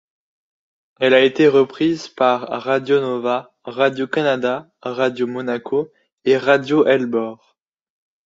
Elle a été reprise par Radio Nova, Radio Canada, Radio Monaco et Radio Ellebore.